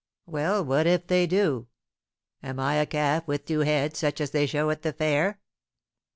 "Well, what if they do? Am I a calf with two heads, such as they show at the fair?"